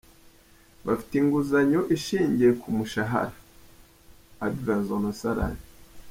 Bafite inguzanyo ishingiye ku mushamara “Advance on Salary”.